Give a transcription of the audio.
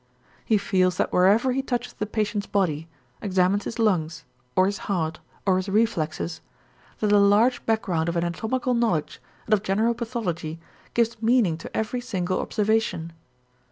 He feels that wherever he touches the patient's body, examines his lungs or his heart or his reflexes, that a large background of anatomical knowledge and of general pathology gives meaning to every single observation.